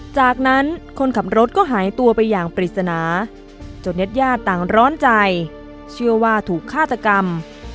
จากนั้นคนขับรถก็หายตัวไปอย่างปริศนาจนญาติญาติต่างร้อนใจเชื่อว่าถูกฆาตกรรม